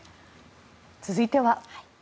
続いては。